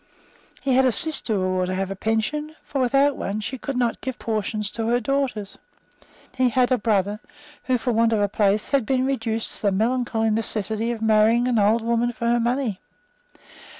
He had a sister who ought to have a pension; for, without one, she could not give portions to her daughters. He had a brother who, for want of a place, had been reduced to the melancholy necessity of marrying an old woman for her money.